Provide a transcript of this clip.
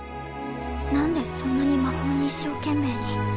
何でそんなに魔法に一生懸命に。